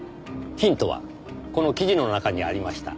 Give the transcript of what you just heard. ヒントはこの記事の中にありました。